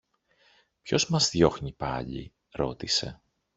Ποιος μας διώχνει πάλι; ρώτησε.